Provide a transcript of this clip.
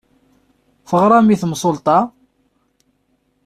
Teɣram i temsulta?